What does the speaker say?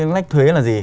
lách thuế là gì